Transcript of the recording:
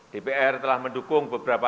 dpr telah mendukung beberapa